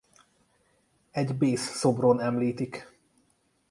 Egy Bész-szobron említik.